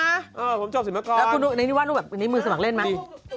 เออผมจบศิลป์กรณ์แล้วนี่นี่ว่าดูแบบในมือสมัครเล่นไหม